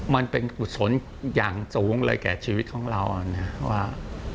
มันเป็นกุศลอย่างสูงเลยแก่ชีวิตของเรานะว่า